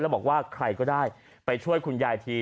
แล้วบอกว่าใครก็ได้ไปช่วยคุณยายที